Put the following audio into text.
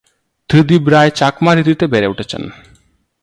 ত্রিদিব রায় চাকমা রীতিতে বেড়ে উঠেছেন।